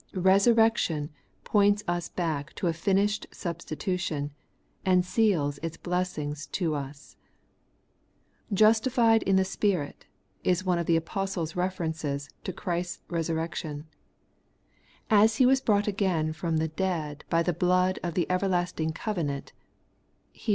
Eesurrection points us back to a finished substitution, and seals its blessings to us. ' Justified in the Spirit ' is one of the apostle's re WTiat the Resurrection of the Substitute has done, 127 ferences to Christ's resurrection. As He was brought again from the dead by the blood of the everlasting covenant (Heb.